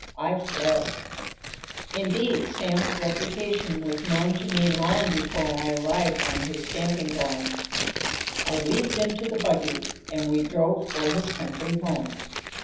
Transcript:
I fled. Indeed, Sam's reputation was known to me long before I arrived on his stamping ground. I leaped into the buggy, and we drove for his country home.